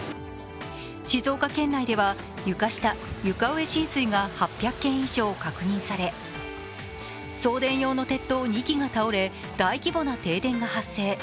静岡県内では床下・床上浸水が８００件以上確認され、送電用の鉄塔２基が倒れ、大規模な停電が発生。